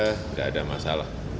tidak ada masalah